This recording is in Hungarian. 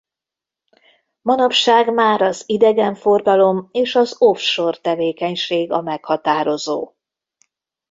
Manapság már az idegenforgalom és az off-shore tevékenység a meghatározó.